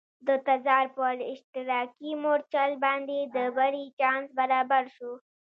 د تزار پر اشتراکي مورچل باندې د بري چانس برابر شو.